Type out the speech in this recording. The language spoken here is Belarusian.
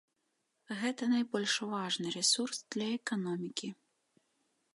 Гэта найбольш важны рэсурс для эканомікі.